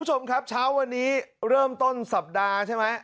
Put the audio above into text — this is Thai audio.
คุณผู้ชมครับเช้าวันนี้เริ่มต้นสัปดาห์ใช่ไหม